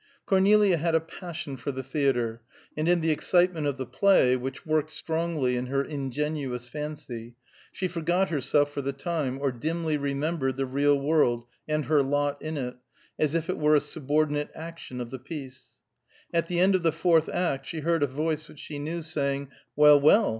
Cornelia had a passion for the theatre, and in the excitement of the play, which worked strongly in her ingenuous fancy, she forgot herself for the time, or dimly remembered the real world and her lot in it, as if it were a subordinate action of the piece. At the end of the fourth act she heard a voice which she knew, saying, "Well, well!